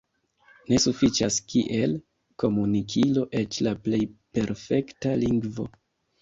Ne sufiĉas kiel komunikilo eĉ la plej perfekta lingvo.